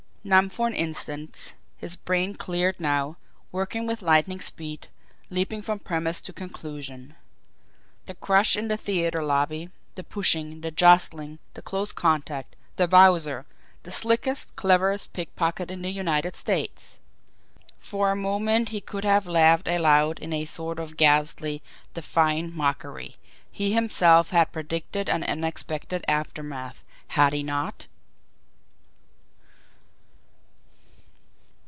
Numbed for an instant, his brain cleared now, working with lightning speed, leaping from premise to conclusion. The crush in the theatre lobby the pushing, the jostling, the close contact the Wowzer, the slickest, cleverest pickpocket in the United States! For a moment he could have laughed aloud in a sort of ghastly, defiant mockery he himself had predicted an unexpected aftermath, had he not!